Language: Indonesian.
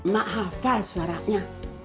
mak hafal suaranya